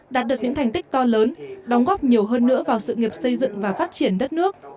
đạt được những thành tích to lớn đóng góp nhiều hơn nữa vào sự nghiệp xây dựng và phát triển đất nước